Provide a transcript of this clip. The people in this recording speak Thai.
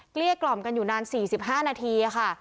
เกลี้กล่อมกันอยู่นาน๔๕นาทีค่ะ